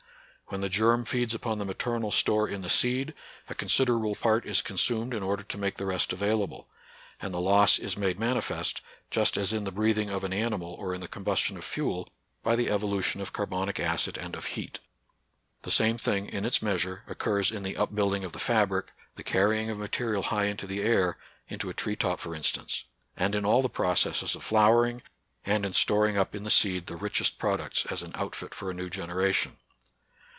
When the germ feeds upon the maternal store in the seed, a consid erable part is consumed in order to make the rest available ; and the loss is made manifest, just as in the breathing of an animal or in the combustion of fuel, by the evolution of carbonic acid and of heat. The same thing in its measure occurs in the upbuilding of the fabric, the car rying of material high into the air, — into a tree top, for instance ; and in all the processes of flowering, and in storing up in the seed the richest products as an outfit for a new genera tion.